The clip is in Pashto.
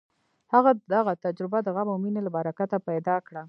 هغه دغه تجربه د غم او مینې له برکته پیدا کړه